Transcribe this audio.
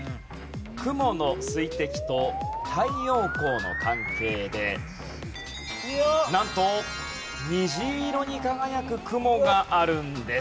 雲の水滴と太陽光の関係でなんと虹色に輝く雲があるんです。